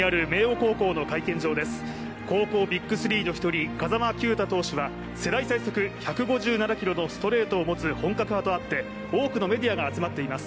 高校ＢＩＧ３の１人、風間球打投手は世代最速１５７キロのストレートを持つ本格派とあって多くのメディアが集まっています。